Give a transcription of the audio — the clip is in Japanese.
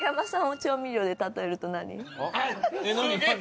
調味料で例えると？